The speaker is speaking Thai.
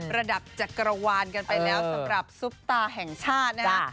ระดับจักรวาลกันไปแล้วสำหรับซุปตาแห่งชาตินะคะ